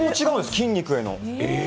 筋肉への。